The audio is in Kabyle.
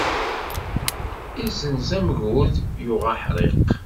Izzenz amgud, yuɣ aḥriq.